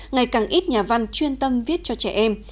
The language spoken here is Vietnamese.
ngày càng ít nhà văn chuyên tâm viết cho trẻ em